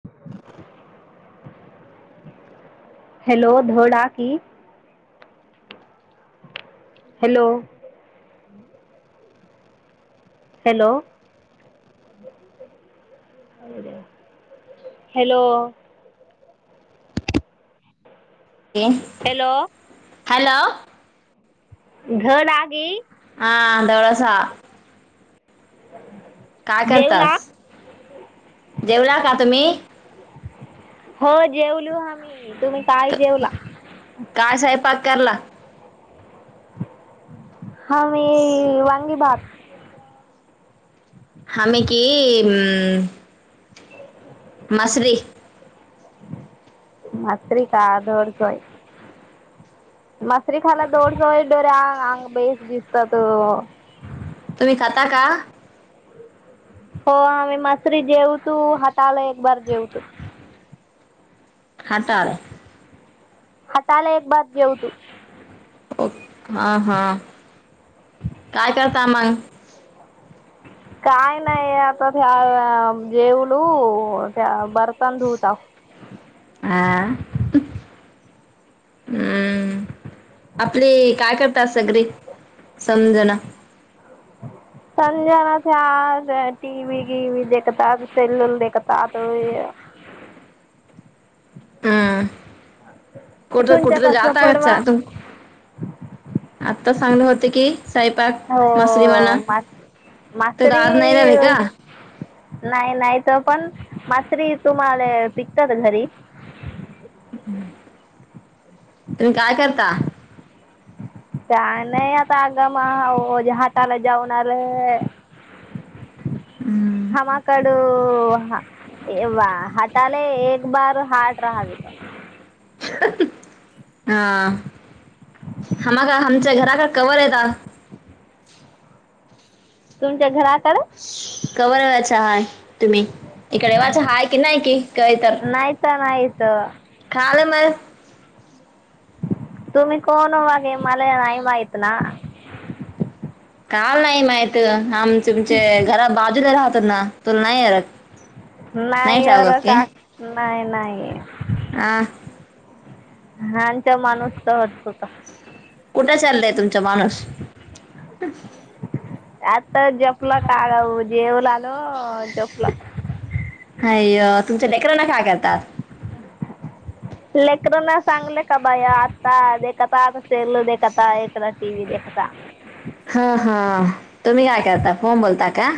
[unintelligible] Hello धोडा की.. hello hello hello.. ते हॅलो हॅलो ध नाही हा दळसा. ह [unintelligible] काय करतास जेवला का? तुम्ही हो जेवलू आम्ही. तुम्ही काय जेवला काय स्वयंपाक करला? आम्ही वांगी भात [unintelligible] मासरी [unintelligible] [unintelligible] तुम्ही खाता का? हो आम्ही मसरी जेवतू हाताला एक बार जेवतु खाताळ काले एक बार जेवतु ओक हा हा काय करता मग काय नाही आता त्या जेवलू त्या बर्तन धुवताव हा हम्म आपली काय करतात सगळी समजण समजन आज टी वी विवि देखतात सीरियल विरियल देखतात हा. [unintelligible] तुमच्या कसं पडवा? आत्ताच चांगलं होतं की हो स्वयंपाक मसरी म्हणा मा तर मासरी आज नाही राहिले का नाही नाही तर पण मासरी तुम्हा अह पिकतात घरी हम्म तुम्ही काय करता? काय नाही आता आगामाजे हाताला जाऊन आलं हमा काड [unintelligible] [unintelligible] [unintelligible] तुमच्या घरात [unintelligible] कव वयाचा हाय तुम्ही इकडे वाच हाय की नाही के नाही त्या नाहीत तवा काल मल तुम्ही कोण वाघे मला नाही माहित ना काल नाही माहित आम तुमचे घरा बाजूला राहतो ना तुला नाही नाही अरे का नाही नाही [unintelligible] हा माणूसचा हटकता कुठं चाललंय तुमचा माणूस आता जपला काढा जेव ला आलो जपलं हाय अ तुमच्या डेकरराना काय करतात लेकरना सांगले का बाया आता देखता आता सेरल देखता एकदा टीव्ही देखता हा हा तु मी करता फोन बोलता का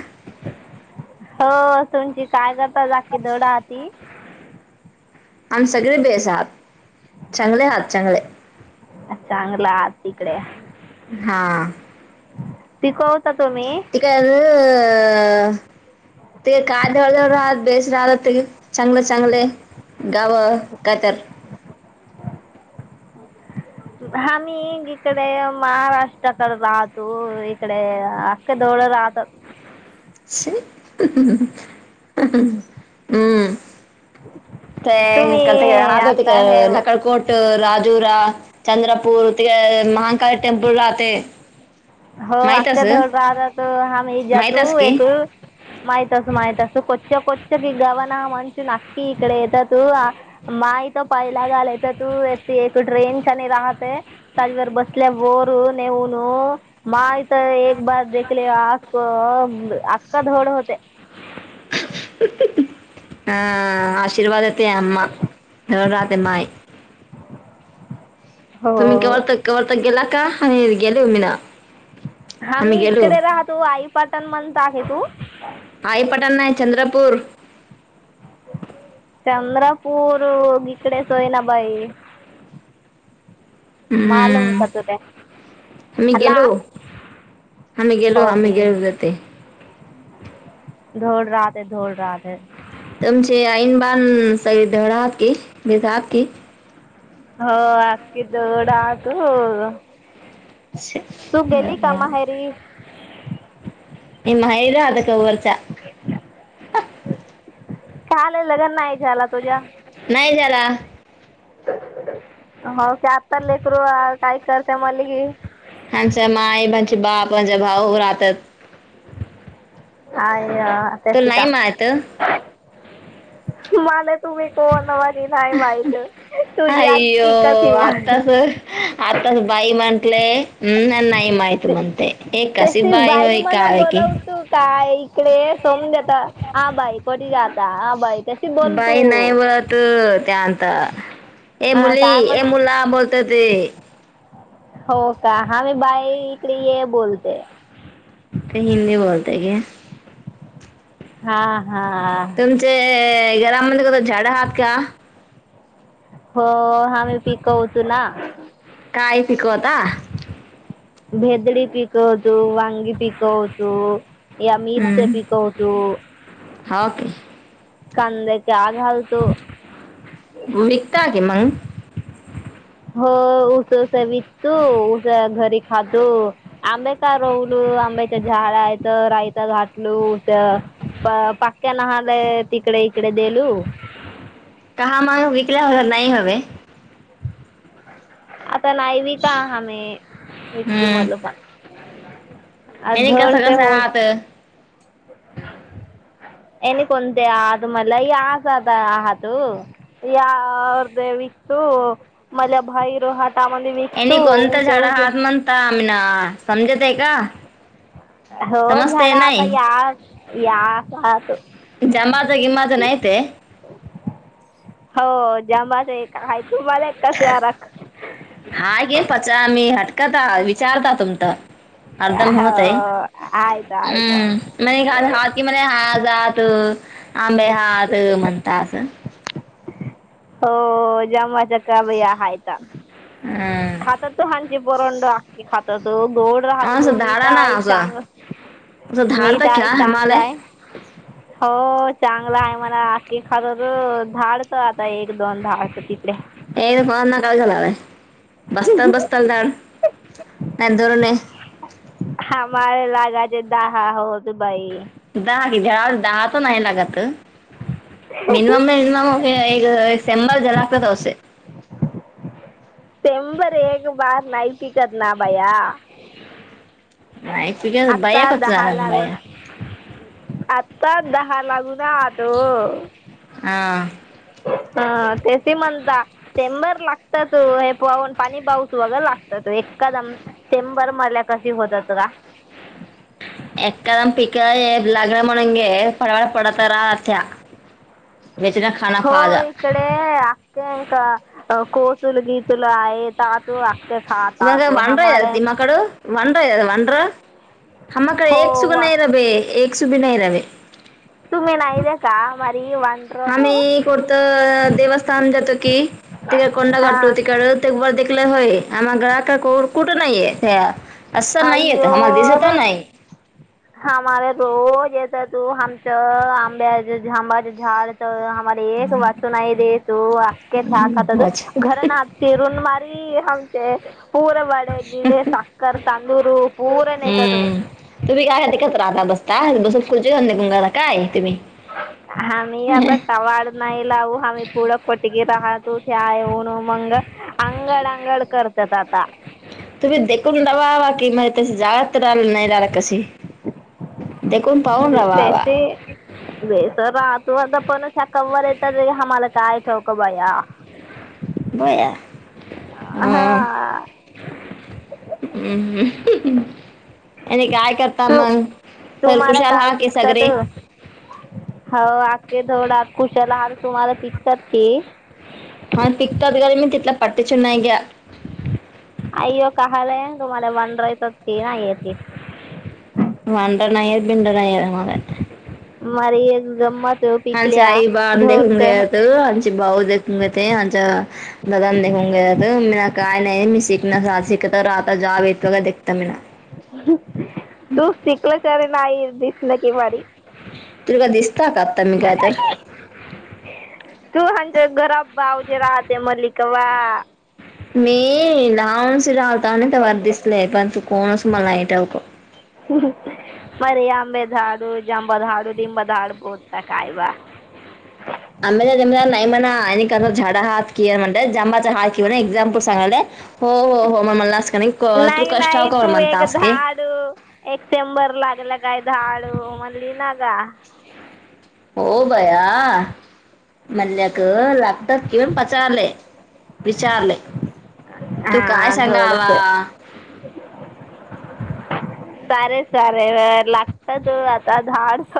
हो तुमची काय करताकी दड आ ती आम्ही सगळे बेस आहात चांगले आहात सगळे चांगला आत हां ती क त [unintelligible] अ ते काद राहत बेस राहत ते चांगले चांगले गाव कात यात हां मी इकडे महाराष्ट्राकडे राहतो इकडे अखख जवळ राहत. [unintelligible] हम्म ते तुम्ही त आता [unintelligible] हे नकलकोट राजुरा चंद्रपूर ते महा काय टेम्पल राहते. हो माहितस अख्ख्या धडहात हम्ही जातू माहितस की एक माहित असू माहित अस कोच्च्या कोच सगळी गवन मचु नक्की इकडे येेततू माय तो पैलागाला येेततू एक ट्रेन चनी राहते तजवरर बसले बोर नेऊन. माय तर एक बार देखले आप. [unintelligible] अक्ख धोड होते [unintelligible] हां आशीर्वाद ते अम एव राते माय हो तुम्ही कवर्त कवर्तक गेला का ह गेले उ मना हा मी इकडे राहतो आईपाटण म्हणंत आहे तू आई पटण नाही चंद्रपूर चंद्रपूर इकडे सोयनाबाई मालूम हम्म का तुरे हला हामी गेलो हामी गे जतेे दौड राहा ते दौड राहा ते तुमचे ऐनबाण सग धडाात की भेजात की हो अख्खी तवड हा तू [inaudible] गेली का माहेरी ते माही [inaudible] वरच्या काय आलेलं काय नाही घ्याला तुझ्या? नाही जाला. हां की याच्या माय, यांचे बाप, ह्यांचे भाऊ राहत्यात. हाय. अ तुला आतेशी नाही का माहित मालक तुम्ही कोण म नाही माहित, तुझी अय्यो आक्की कसी माहि आताच हम् न नाही. माहित म्हणते एक कशी त्याची बाई होय मला काय की बोलवतो काय इकडे सम द्याता हं बाई कोटी जा दहा बाई तशी बोलतो बाई नाही वळत त्या ता ए हा मुली, काय ए म्हणतो मुला बोलतेत. ते हो का? हा मी बाई इकडे ये बोलते. ते हिंदी बोलत घे हा. हा तुमचे घरामंदी कवा झाडं अहात का? हो हामी पीकऊतू ना. काय पिकवता? भेदडी पीकव तो, वांगी पिकवतो, या मिरच्या हम्म. पिकवतो. हो की कांदया विकता की मग हो ऊस विकतू, ऊस घरी खातो, आंबे का रवलू आंब्याच्या झाडं आहेत. राय घाटलूस. पाक्यानहाले तिकडे. तिकडे देलू. पलाला नाही हवे. ता नाही व का ह मे. विकतू हम्म मल पण आ याने कसं धडसे कसं होत आहात याने [inaudible] एणे कोणते आ मला याज आहातू. याद विकतू मला बाहेर हात एनी कोणतं झाड हात म्हणता आम्हना समजत का? हो समजते झाला आता नाही या या त जमाचं गिमाचं नाही ते हो जांबाच एक आहे. हा हे पचमी हट.. कता विचारता तुम तर अर्दम हो होत आहे. आयत आयत अम् म्ह हात कि मणे हा जात आंबे हात म्हणता अस. हो जामाचा का बई हायता हम्म. खाता तो हांची बरंड आखकी खात त गोड राहतो तो असं मीठ धाडा ना आहे असं चांगलं असं मीठ धाडता आहे का चांगलं आम्हाला आहे. हो चांगला आहे मला क खरं झाडच एक दोन दहा होत तिथले बस्ताल बस्तल दडंतरणे. हमारे लागाचे दहा होत भाई दहा कि्या दहा त नाही लागात. मिनिमम मिनिमम एक सेंबर ज लाकचव. तेंबर एक बार नाही प करत ना भया. नाही तझ बाया कच झाला बाया. पाच दहा लागून राहतो हा ह ते म्हणता शेंबर लागतात. हे पाहन पाणी पाऊस वगैरे लागतात एकदम शेंबर म कशी होतात. का एकाद प काय लागड म्हणंगे. पडवाळा पडतरा अत्या. हो इकडे अखखे का कोतुलगी तुम्हा का वांढरा या हमाले तमकड वांढर वांढरा हकडे हो एक सुगण वा आहे र भे एक सुभीना इरावे तुम्ही नाय्या का वनरतो आम्ही कोर्तं देवस्थान जातो की तिकडे कोंडा काठतो तिकड ते बर देलं होय. आम ग्रहक का कुठं नाही आहे. त्या अससं नाही येत अय्यो आम्हाला दिसत नाही. ेत तू आमच आंब्याबाच झाड मर एकक वचनय देेयेतू अकेचछाकतत अच्छा. घरन हात सिरन मारी का पूर वडे गिडे साखर तांंदुरू पूर नेतात त राहता बसता [unintelligible] काय तुम्ही आम्ही आता टवाड नाही लावू आम्ही पुढं कोटगी आहात - तूथे आय ऊन मंग अंगड अंगड करत्यात आता तुम्ही देखून दवावा की म्हणजे त जागात राहिल नाही राहिला कशी देखून पाहून राहावा तसे वे सरा तू आता पण कव्वर येत रे आम्हाला काय - चौकबाया बय हा हम् ह् [inaudible] आणि काय करता तू मग सर तुम्हाला कुशाल काय हा की सग पिकतात रे हो अखखे धोड खुशाला हार तुम्हाला पिकतात की हा टिकटा [unintelligible] तितला पटचुना य ग आई हो कलय तुम्हाला बन [unintelligible] त त नाहीेते [inaudible] बिंडड आहे मग माारी एक गमत आचे आई बाण देखून घे त आणिचे भाऊ देखून घेत आच्या ददामखंगे त मरा काय नाही मी सीख [unintelligible] तर आता जाब येतो का देता मीला [inaudible] नाहीदी नकी मारी तुला दिसता का आत्ता मी [inaudible] काय तर तूं हं ते घरा बाऊजे राहते मलिक वा [unintelligible] तानं तवा दिसलंय आहे पण तू कोणस [unintelligible] जांबद हारू दिमबदारडबोत [inaudible] आमला तमला नाहीई मना झाड हात कि म्हण ज हाति [unintelligible] एक्झामपल सांगाल नाही कष्टाव नाही कर तू एक म्हणतास की झाधाड एक शंबर लागला काय झाधाड म्हणलीि ना [inaudible] हो भया मल्लक लागतात घिन पचारले विचारले तू काय हा सांगावा थोडस [inaudible] सारे सारे अ लागतात अआता धाडस.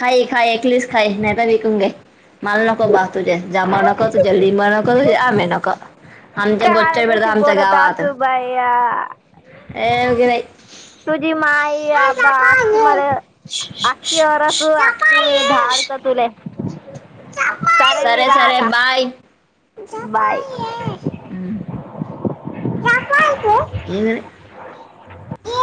खाई खाई एकलीच खाय नाहीतर विकून दे. माल नक बाह तुझे जमा नक तुझे लिंबा नक तुझे आमे नक [unintelligible] काळ जशी बोलत असू बाया [unintelligible] [unintelligible] सारे मी सरे सरे राहता बाय. बाय ये